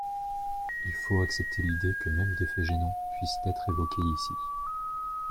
Il faut accepter l’idée que même des faits gênants puissent être évoqués ici.